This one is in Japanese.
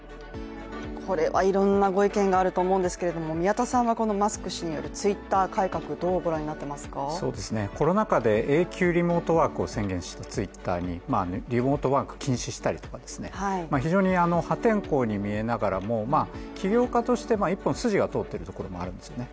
これはいろんなご意見があると思うんですけれども、宮田さんはこのマスク氏によるＴｗｉｔｔｅｒ改革、どうご覧になってますか。コロナ禍で永久リモートワークを宣言してリモートワーク禁止したり非常に破天荒に見えながらも起業家として一本筋が通っているところもあるんですね。